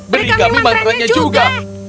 beri kami mantra nya juga